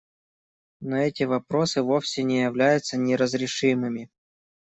Но эти вопросы вовсе не являются неразрешимыми.